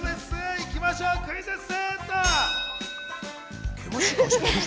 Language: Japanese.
行きましょう、クイズッス。